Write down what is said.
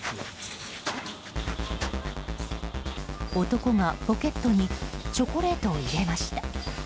男がポケットにチョコレートを入れました。